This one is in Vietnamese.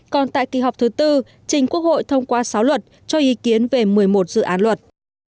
còn tại kỳ họp thứ tư trình quốc hội thông qua sáu luật cho ý kiến về một mươi một dự án luật